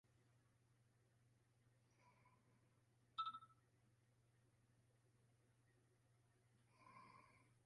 তাঁর ডক্টরাল গবেষণামূলক প্রবন্ধের ভিত্তিতে স্টিভ ডিম্বাশয় ও মহিলা প্রজনন ব্যবস্থা নিয়ে তাঁর গবেষণা চালিয়ে গিয়েছিলেন।